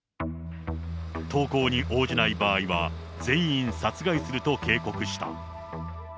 投降に応じない場合は、全員殺害すると警告した。